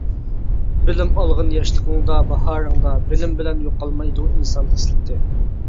بىلىم ئالغىن ياشلىقىڭدا، باھارىڭدا، بىلىم بىلەن يوقالمايدۇ ئىنسان خىسلىتى.